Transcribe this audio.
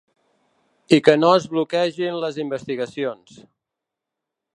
I que no es bloquegin les investigacions.